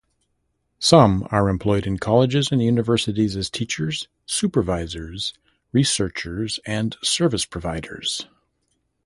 Some are employed in colleges and universities as teachers, supervisors, researchers, and service providers.